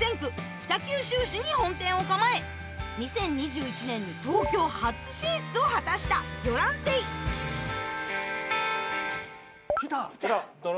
北九州市に本店を構え２０２１年に東京初進出を果たした来た。来た。